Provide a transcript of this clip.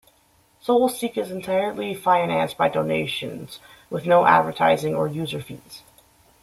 Soulseek is entirely financed by donations, with no advertising or user fees.